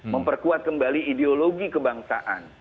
memperkuat kembali ideologi kebangsaan